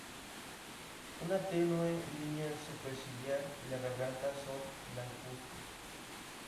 Una tenue línea superciliar y la garganta son blancuzcos.